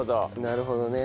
なるほどね。